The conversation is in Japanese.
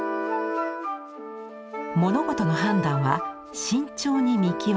「物事の判断は慎重に見極めよ」。